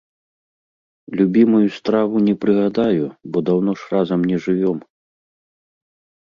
Любімую страву не прыгадаю, бо даўно ж разам не жывём.